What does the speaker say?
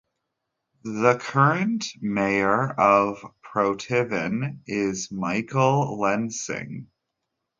The current mayor of Protivin is Michael Lensing.